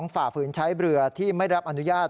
ฝ่าฝืนใช้เรือที่ไม่รับอนุญาต